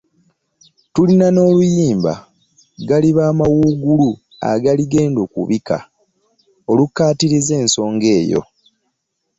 Tulina n’oluyimba “Galiba mawuugulu agaligenda okubika” olukkaatiriza ensonga eyo.